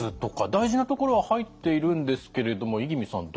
大事なところは入っているんですけれども五十君さん